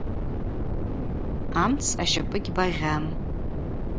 Амц ащапӏы гьбагъьам.